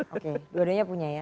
oke dua duanya punya ya